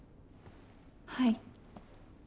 はい。